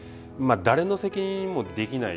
誰の責任もできない。